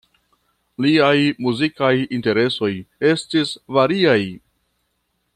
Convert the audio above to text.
Liaj muzikaj interesoj estis variaj.